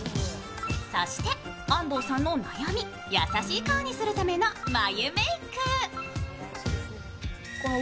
そして安藤さんの悩み、優しい顔にするための眉メーク。